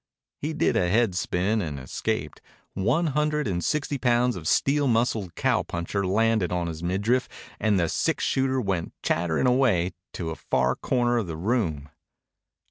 He did a head spin and escaped. One hundred and sixty pounds of steel muscled cowpuncher landed on his midriff and the six shooter went clattering away to a far corner of the room.